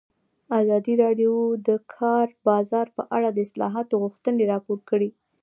ازادي راډیو د د کار بازار په اړه د اصلاحاتو غوښتنې راپور کړې.